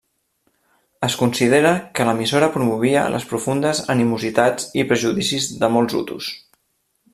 Es considera que l'emissora promovia les profundes animositats i prejudicis de molts hutus.